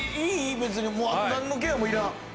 別にもうなんのケアもいらん。